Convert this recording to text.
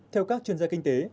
theo các chuyên gia kinh tế